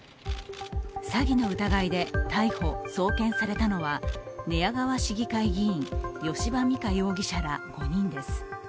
詐欺の疑いで逮捕・送検されたのは寝屋川市議会議員・吉羽美華容疑者ら５人です。